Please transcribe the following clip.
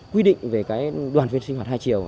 quy định về đoàn viên sinh hoạt hai chiều